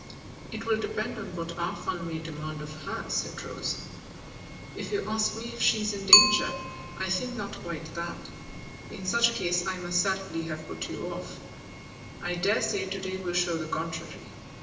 " It will depend on what our fun may demand of her," said Rose. " If you ask me if she's in danger, I think not quite that : in such a case I must cer tainly have put you off. I dare say to day will show the contrary.